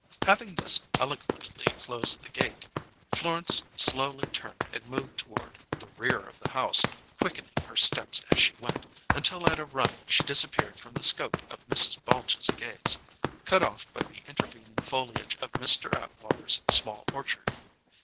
Having thus eloquently closed the gate, Florence slowly turned and moved toward the rear of the house, quickening her steps as she went, until at a run she disappeared from the scope of Mrs. Balche's gaze, cut off by the intervening foliage of Mr. Atwater's small orchard.